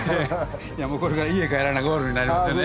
いやもうこれが家に帰らなゴールになりません。